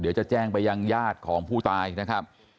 เดี๋ยวจะแจ้งไปยังญาติของผู้ตายนะครับ